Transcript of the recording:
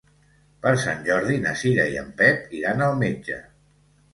Per Sant Jordi na Cira i en Pep iran al metge.